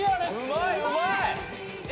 うまいうまい！